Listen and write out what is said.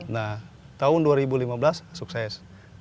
nah tahun dua ribu lima belas sukses